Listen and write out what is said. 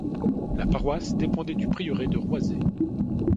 La paroisse dépendait du prieuré de Roisey.